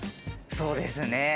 そうですね。